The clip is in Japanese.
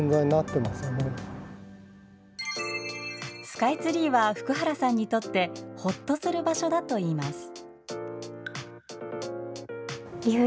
スカイツリーは福原さんにとってほっとする場所だといいます。